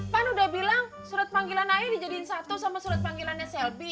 pan udah bilang surat panggilan air dijadiin satu sama surat panggilannya selbi